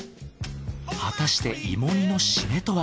果たして芋煮のシメとは？